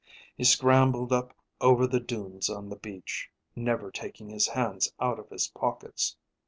He scrambled up over the dunes on the beach, never taking his hands out of his pockets.